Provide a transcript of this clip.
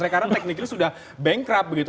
karena technically sudah bankrupt begitu